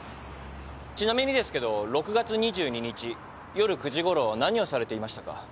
ちなみにですけど６月２２日夜９時ごろ何をされていましたか？